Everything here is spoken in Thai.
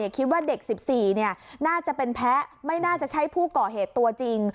คิดว่าเด็ก๑๔น่าจะเป็นแพ้ไม่น่าจะใช่ผู้ก่อเหตุตัวจริง